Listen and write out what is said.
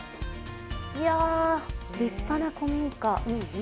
いや、立派な古民家。